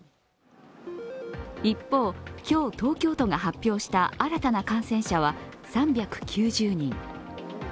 一方、今日、東京都が発表した新たな感染者は３９０人。